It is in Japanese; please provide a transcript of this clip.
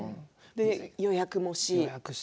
予約もして。